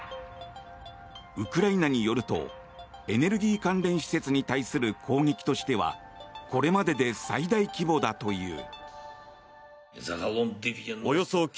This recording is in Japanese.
ウクライナによるとエネルギー関連施設に対する攻撃としてはこれまでで最大規模だという。